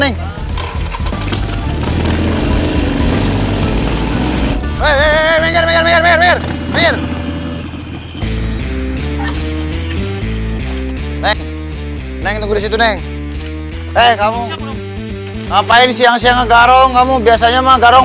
meneng tengok disitu neng eh kamu ngapain siang siang ngegarong kamu biasanya magarong